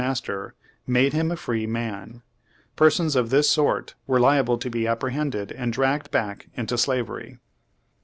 Page Twenty two master, made him a free man. Persons of this sort were liable to be apprehended, and dragged back into slavery.